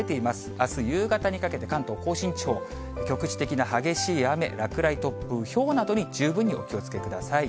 あす夕方にかけて、関東甲信地方、局地的な激しい雨、落雷、突風、ひょうなどに十分にお気をつけください。